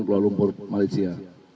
kuala lumpur malaysia